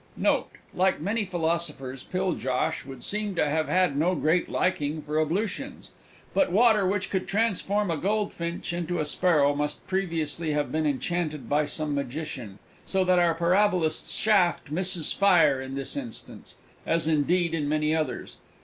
Note. Like many Philosophers, Piljosh would seem to have had no great liking for ablutions. But water which could transform a Goldfinch into a Sparrow must previously have been enchanted by some Magician, so that our Parabolist's shaft misses fire in this instance (as indeed in many others!).